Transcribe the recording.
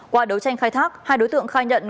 qua đấu tranh khai thác hai đối tượng khai nhận